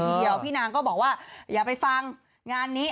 ทีเดียวพี่นางก็บอกว่าอย่าไปฟังงานนี้